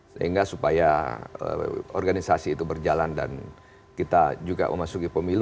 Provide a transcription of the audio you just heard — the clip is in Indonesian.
sehingga supaya organisasi itu berjalan dan kita juga memasuki pemilu dua ribu sembilan belas